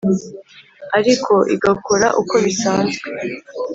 ariko igakora uko bisanzwe.